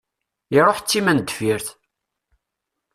Iruḥ d timendeffirt.